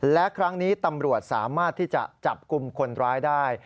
และครั้งนี้ตำรวจสามารถที่จะจับกลุ่มคนร้ายได้